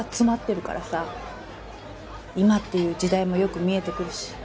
今っていう時代もよく見えてくるし。